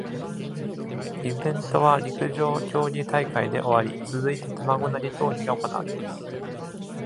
イベントは陸上競技大会で終わり、続いて卵投げ競技が行われます。